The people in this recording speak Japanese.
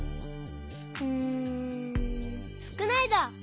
うん「すくない」だ！